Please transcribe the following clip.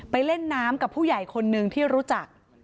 ไปเล่นน้ำกับผู้ใหญ่ที่รู้จัก